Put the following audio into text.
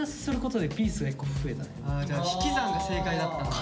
じゃあ引き算が正解だった。